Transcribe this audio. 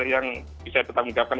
yang bisa ditanggung jawabkan